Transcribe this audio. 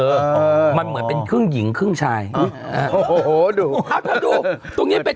เออมันเหมือนเป็นครึ่งหญิงครึ่งชายโอ้โหดูอ้าวถ้าดูตรงเนี้ยเป็น